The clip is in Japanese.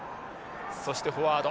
そしてフォワード